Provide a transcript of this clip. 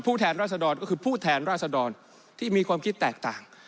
แทนราษฎรก็คือผู้แทนราษดรที่มีความคิดแตกต่าง